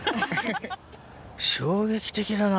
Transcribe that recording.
衝撃的だな